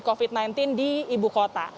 covid sembilan belas di ibu kota